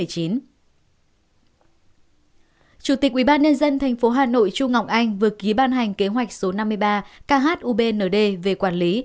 chủ tịch ubnd tp hà nội chu ngọc anh vừa ký ban hành kế hoạch số năm mươi ba khubnd về quản lý